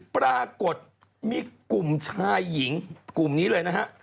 ปรากฏมีกลุ่มชายหญิงกลุ่มนี้เลยนะฮะ